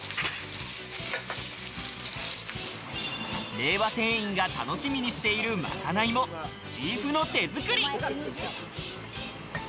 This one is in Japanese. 令和店員が楽しみにしている賄いもチーフの手づくり。